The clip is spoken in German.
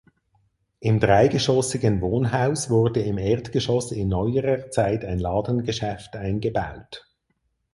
Im dreigeschossigen Wohnhaus wurde im Erdgeschoss in neuerer Zeit ein Ladengeschäft eingebaut.